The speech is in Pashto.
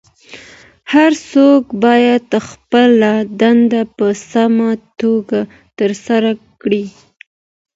هر څوک باید خپله دنده په سمه توګه ترسره کړي.